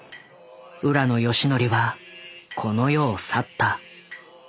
浦野順文はこの世を去った。